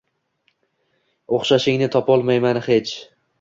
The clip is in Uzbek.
O’xshashingni topolmayman hech